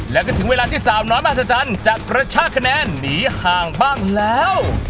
แล้วก็ถึงเวลาที่สาวน้อยมหัศจรรย์จะกระชากคะแนนหนีห่างบ้างแล้ว